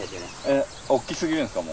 えっおっきすぎるんですか？